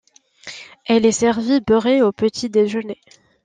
Elle est servie beurrée au petit déjeuner.